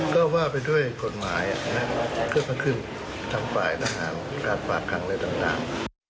ก็ว่าไปด้วยกฎหมายเคลื่อนขึ้นทั้งฝ่ายทางหาวิทยาลัยการฝากขังและต่าง